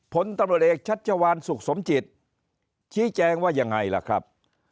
พตเชสุขสมจิตชี้แจงว่ายังไงล่ะครับ